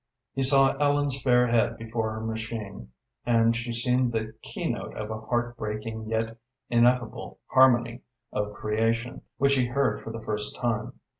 He saw Ellen's fair head before her machine, and she seemed the key note of a heart breaking yet ineffable harmony of creation which he heard for the first time.